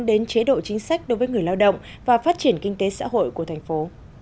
đến chế độ chính sách đối với người lao động và phát triển kinh tế xã hội của thành phố